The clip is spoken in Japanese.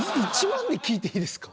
１万で聞いていいですか？